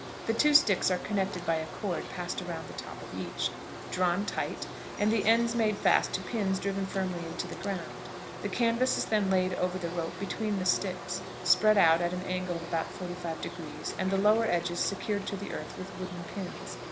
The two sticks are connected by a cord passed around the top of each, drawn tight, and the ends made fast to pins driven firmly into the ground. The canvas is then laid over the rope between the sticks, spread out at an angle of about forty five degrees, and the lower edges secured to the earth with wooden pins.